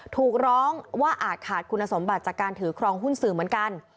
ถูกร้องว่าอาจขาดคุณสมบัติจากการถือครองหุ้นสื่อเหมือนกัน